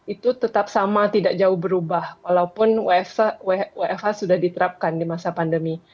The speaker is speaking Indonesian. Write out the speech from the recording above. itu tetap sama tidak jauh berubah walaupun wfh sudah diterapkan di masa pandemi